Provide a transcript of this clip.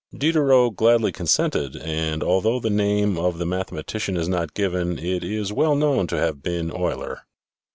Diderot gladly consented, and although the name of the mathematician is not given, it is well known to have been Euler.